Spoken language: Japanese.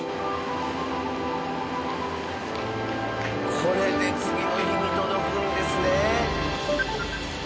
これで次の日に届くんですね。